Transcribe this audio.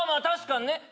確かにね。